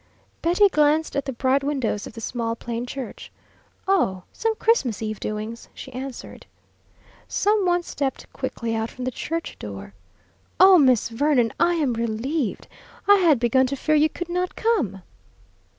Betty glanced at the bright windows of the small plain church. "Oh, some Christmas eve doings," she answered. Some one stepped quickly out from the church door. "Oh, Miss Vernon, I am relieved! I had begun to fear you could not come."